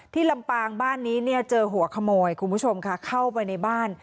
ลำปางบ้านนี้เนี่ยเจอหัวขโมยคุณผู้ชมค่ะเข้าไปในบ้าน